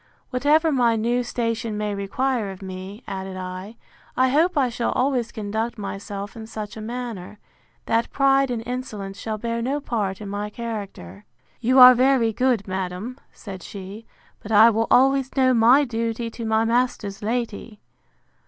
—Whatever my new station may require of me, added I, I hope I shall always conduct myself in such a manner, that pride and insolence shall bear no part in my character. You are very good, madam, said she; but I will always know my duty to my master's lady.